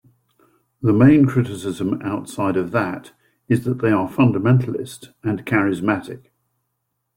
The main criticism outside of that is that they are fundamentalist and charismatic.